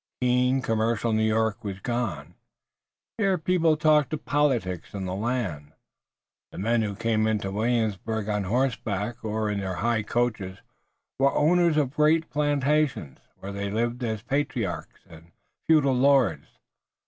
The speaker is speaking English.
Keen, commercial New York was gone. Here, people talked of politics and the land. The men who came into Williamsburg on horseback or in their high coaches were owners of great plantations, where they lived as patriarchs, and feudal lords.